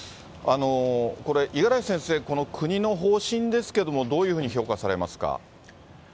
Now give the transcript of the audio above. これ、五十嵐先生、国の方針ですけども、どういうふうに評価されますか。